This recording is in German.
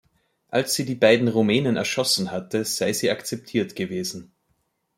Als sie die beiden Rumänen erschossen hatte, sei sie akzeptiert gewesen.